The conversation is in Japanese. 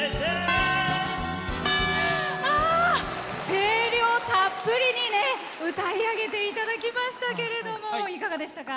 声量たっぷりに歌い上げていただきましたけれどもいかがでしたか？